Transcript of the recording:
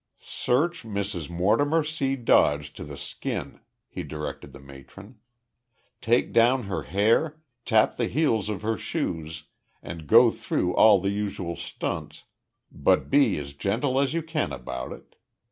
"Search Mrs. Mortimer C. Dodge to the skin," he directed the matron. "Take down her hair, tap the heels of her shoes, and go through all the usual stunts, but be as gentle as you can about it.